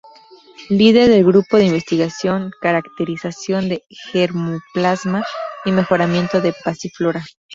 Líder del Grupo de Investigación "Caracterización de Germoplasma y Mejoramiento de Passiflora.